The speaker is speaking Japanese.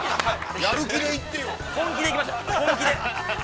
やる気で行ってよ。